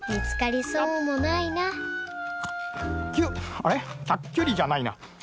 あれ「きゃっきゅり」じゃないな。